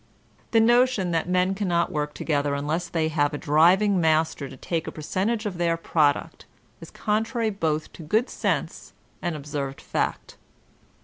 The notion that men cannot work together unless they have a driving master to take a percentage of their prod uct, is contrary both to good sense and observed fact.